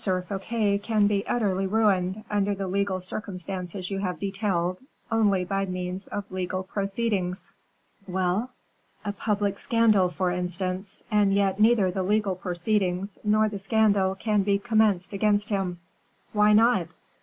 Fouquet can be utterly ruined, under the legal circumstances you have detailed, only by means of legal proceedings." "Well?" "A public scandal, for instance; and yet neither the legal proceedings nor the scandal can be commenced against him." "Why not?"